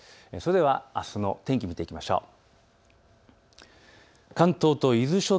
それではあすの天気を見ていきましょう。